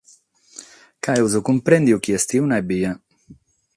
Ca amus cumpresu chi est una ebbia.